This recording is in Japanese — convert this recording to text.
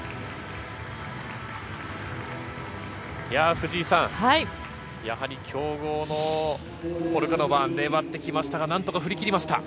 藤井さん、やはり強豪のポルカノバ、粘ってきましたが、なんとか振り切りました。